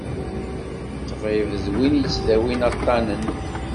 Ṭbib d win yettdawin aṭṭanen.